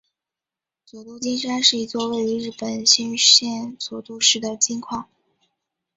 佐渡金山是一座位于日本新舄县佐渡市的金矿。